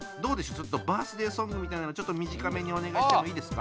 ちょっとバースデーソングみたいなのちょっと短めにお願いしてもいいですか？